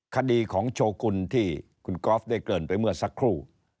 คดีของโชกุลที่คุณกอล์ฟได้เกินไปเมื่อสักครู่